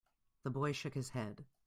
The boy shook his head.